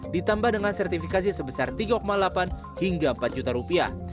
ditambah dengan sertifikasi sebesar tiga delapan hingga empat juta rupiah